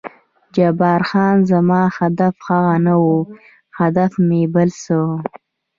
جبار خان: زما هدف هغه نه و، هدف مې بل څه و.